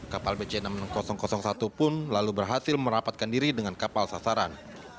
kapal bc enam ribu satu pun lalu berhasil merapatkan diri dengan kapal sasaran